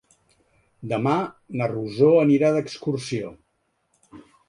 Demà na Rosó anirà d'excursió.